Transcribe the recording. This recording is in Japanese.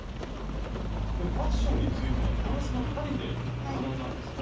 でファッションについてはフランスのパリで学んだんですか？